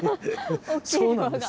そうなんです。